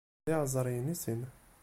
D iɛeẓriyen i sin.